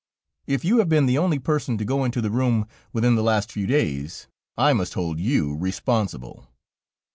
"If you have been the only person to go into the room within the last few days, I must hold you responsible."